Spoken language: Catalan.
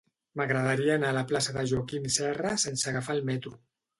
M'agradaria anar a la plaça de Joaquim Serra sense agafar el metro.